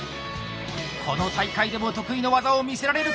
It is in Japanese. この大会でも得意の技を見せられるか？